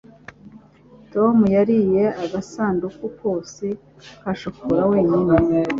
Tom yariye agasanduku kose ka shokora wenyine.